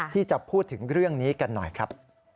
ที่จะพูดถึงเรื่องนี้กันหน่อยครับ